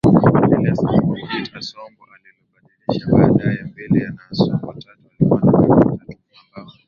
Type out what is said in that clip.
Élias OkitAsombo alilobadilisha baadayembili na asombó tatu Alikuwa na kaka watatu ambao